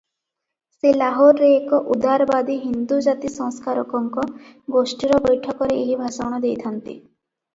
ସେ ଲାହୋରରେ ଏକ ଉଦାରବାଦୀ ହିନ୍ଦୁ ଜାତି-ସଂସ୍କାରକଙ୍କ ଗୋଷ୍ଠୀର ବୈଠକରେ ଏହି ଭାଷଣ ଦେଇଥାନ୍ତେ ।